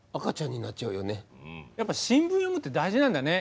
やっぱ新聞読むって大事なんだね。